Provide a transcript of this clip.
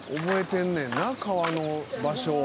てんねんな川の場所を。